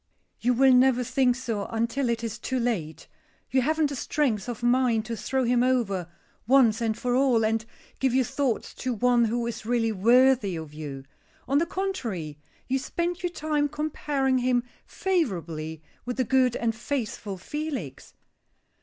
"You will never think so until it is too late. You haven't the strength of mind to throw him over, once and for all, and give your thoughts to one who is really worthy of you. On the contrary, you spend your time comparing him favorably with the good and faithful Felix."